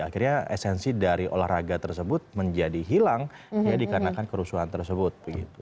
akhirnya esensi dari olahraga tersebut menjadi hilang dikarenakan kerusuhan tersebut